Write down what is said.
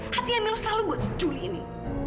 hati yang milu selalu buat si juli ini